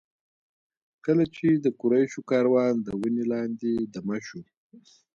کله چې د قریشو کاروان د ونې لاندې دمه شو.